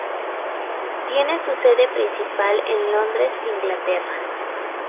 Tiene su sede principal en Londres, Inglaterra.